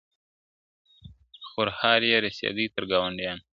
خورهار يې رسېدى تر گاونډيانو !.